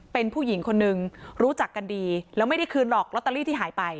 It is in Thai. เป็นผู้หญิงคนนึงรู้จักกันดีแล้วไม่ได้คืนหรอกลอตเตอรี่ที่หายไป